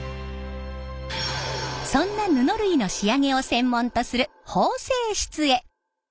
そんな布類の仕上げを専門とする縫製室へ。